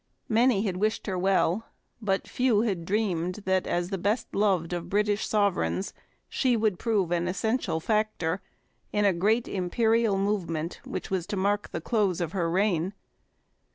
Many had wished her well, but few had dreamed that, as the best beloved of British sovereigns, she would prove an essential factor in a great imperial movement which was to mark the close of her reign.